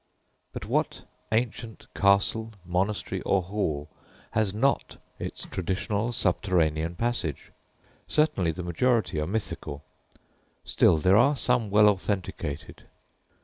But what ancient castle, monastery, or hall has not its traditional subterranean passage? Certainly the majority are mythical; still, there are some well authenticated.